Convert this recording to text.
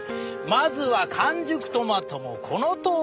まずは完熟トマトもこのとおり。